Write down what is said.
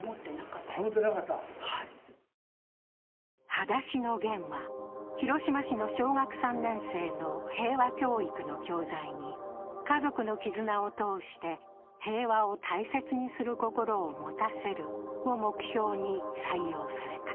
「はだしのゲン」は、広島市の小学３年生の平和教育の教材に家族の絆を通して平和を大切にする心を持たせる、を目標に採用された。